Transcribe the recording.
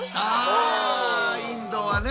インドはね。